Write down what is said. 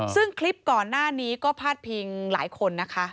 ซึ่งคลิปก่อนหน้านี้ก็พาดพิงหลายคนนะคะ